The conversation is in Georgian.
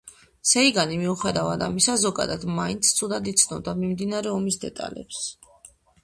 სეიგანი, მიუხედავად ამისა, ზოგადად მაინც ცუდად იცნობდა მიმდინარე ომის დეტალებს.